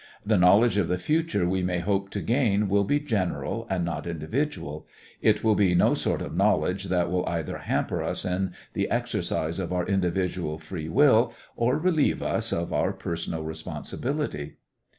The knowledge of the future we may hope to gain will be general and not individual; it will be no sort of knowledge that will either hamper us in the exercise of our individual free will or relieve us of our personal responsibility.